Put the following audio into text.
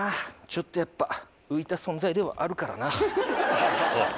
ちょっとやっぱ浮いた存在ではあるからな。